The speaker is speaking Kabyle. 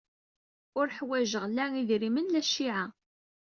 Ur ḥwajeɣ la idrimen la cciɛa.